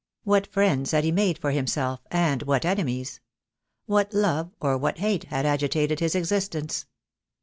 What friends had he made for himself, and what enemies? What love, or what hate, had agitated his existence?